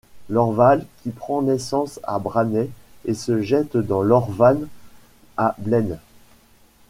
L'Orval qui prend naissance à Brannay et se jette dans l'Orvanne à Blennes.